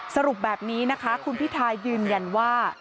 สรุปแบบนี้นะคะคุณพิทายืนยันว่า